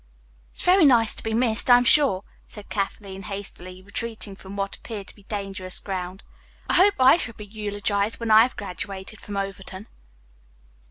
"It's very nice to be missed, I am sure," said Kathleen hastily, retreating from what appeared to be dangerous ground. "I hope I shall be eulogized when I have graduated from Overton."